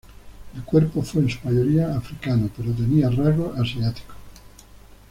El cuerpo fue, en su mayoría, africano pero tenía rasgos asiáticos.